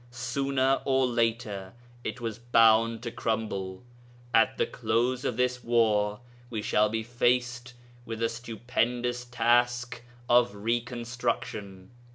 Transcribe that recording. Sooner or later it was bound to crumble. At the close of this war we shall be faced with a stupendous task of reconstruction.